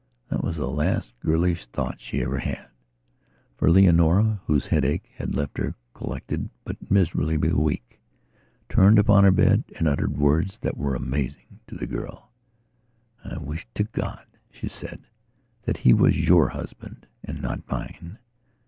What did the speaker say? That was the last girlish thought she ever had. For Leonora, whose headache had left her collected but miserably weak, turned upon her bed and uttered words that were amazing to the girl: "I wish to God," she said, "that he was your husband, and not mine.